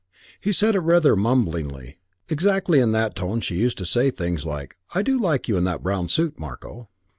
He said it rather mumblingly. Exactly in that tone she used to say things like, "I do like you in that brown suit, Marko."